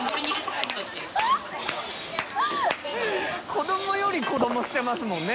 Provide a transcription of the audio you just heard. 子どもより子どもしてますもんね。